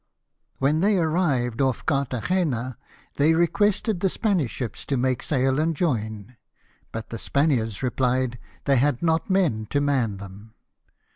When they arrived off Carthagena they requested the Spanish ships to make sail and join; but the Spaniards replied they had not men to man them.